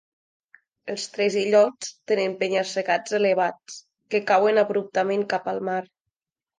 Els tres illots tenen penya-segats elevats, que cauen abruptament cap al mar.